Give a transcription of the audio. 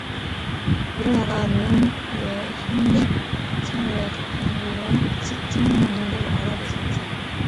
이러다가 누운 이의 흰 창을 덮은 위로 치뜬 눈을 알아보자마자